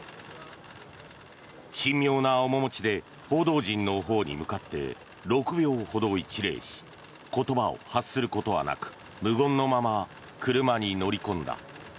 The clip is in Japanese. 神妙な面持ちで報道陣のほうに向かって６秒ほど一礼し言葉を発することはなく無言のまま車に乗り込んだ。